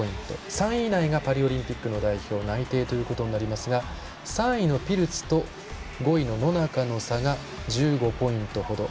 ３位以内がパリオリンピックの代表内定となりますが３位のピルツと５位の野中の差が１５ポイントほど。